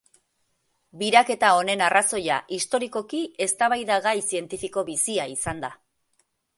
Biraketa honen arrazoia, historikoki, eztabaidagai zientifiko bizia izan da.